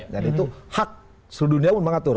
dan itu hak seluruh dunia mengatur